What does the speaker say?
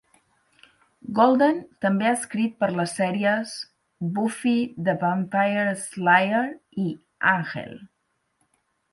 Golden també ha escrit per les sèries "Buffy the Vampire Slayer" i "Ángel".